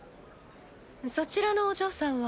そちらのお嬢さんは。